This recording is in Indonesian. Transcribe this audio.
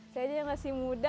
saya aja yang masih muda